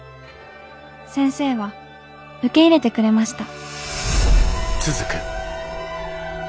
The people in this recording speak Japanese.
先生は受け入れてくれました」。